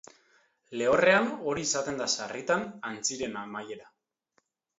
Lehorrean hori izaten da sarritan aintziren amaiera.